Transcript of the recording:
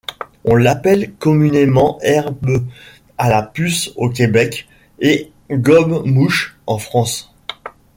On l'appelle communément herbe à la puce au Québec et gobe-mouche en France.